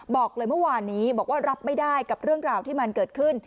บอกเลยเมื่อวานนี้บอกว่ารับไม่ได้กับเรื่องราวที่มันเกิดขึ้น